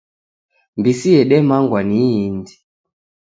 Mbisi yedemangwa ni indi